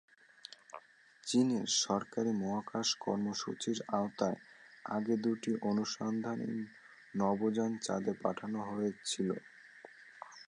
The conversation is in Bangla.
চীনের সরকারি মহাকাশ কর্মসূচির আওতায় আগেও দুটি অনুসন্ধানী নভোযান চাঁদে পাঠানো হয়েছিল।